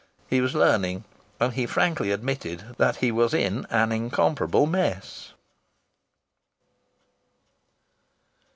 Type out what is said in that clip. He was learning, and he frankly admitted that he was in an incomparable mess.